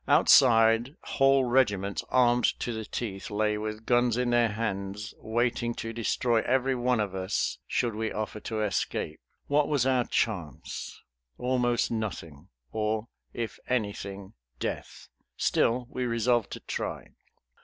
Outside whole regiments armed to the teeth lay with guns in their hands waiting to destroy every one of us should we offer to escape. What was our chance? Almost nothing; or if anything, death! Still we resolved to try.